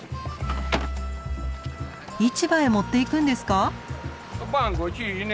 市場へ持っていくんですか？